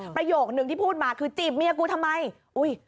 ประโยคนึงที่พูดมาคือจีบเมียกูทำไมอุ้ย